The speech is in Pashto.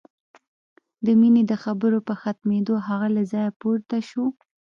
د مينې د خبرو په ختمېدو هغه له ځايه پورته شو.